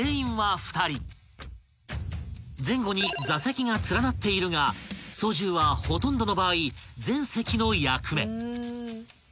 ［前後に座席が連なっているが操縦はほとんどの場合前席の役目］